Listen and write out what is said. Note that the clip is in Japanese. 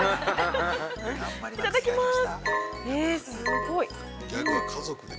いただきます。